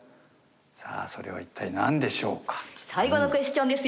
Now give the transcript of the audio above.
さあ、それはいったい何でしょうか。